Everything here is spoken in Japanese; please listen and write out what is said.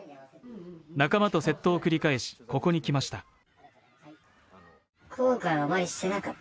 仲間と窃盗を繰り返し、ここに来ました。